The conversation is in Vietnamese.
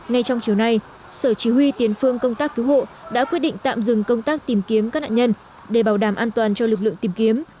ngay trong chiều nay sở chí huy tiến phương công tác cứu hộ đã quyết định tạm dừng công tác tìm kiếm các nạn nhân để bảo đảm an toàn cho lực lượng tìm kiếm